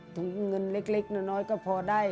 ถึงเงินเล็กนิ้วน้อยก็พอได้